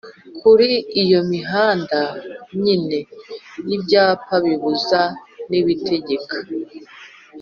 Kuri iyo mihanda nyine ibyapa bibuza n'ibitegeka